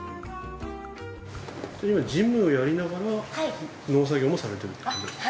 事務やりながら農作業もされてるってことですか？